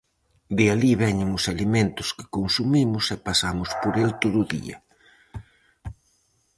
De alí veñen os alimentos que consumimos e pasamos por el todo o día.